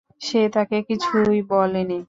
সে তাকে কিছুই বলে নি!